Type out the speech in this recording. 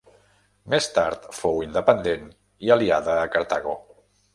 Més tard, fou independent i aliada a Cartago.